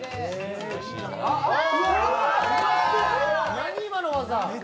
何、今の技！